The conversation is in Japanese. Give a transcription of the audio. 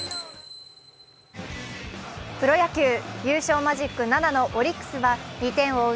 プロ野球優勝マジック７のオリックスは、２点を追う